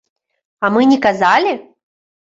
А мы не казалі?!